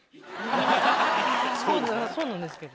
そうなんですけど。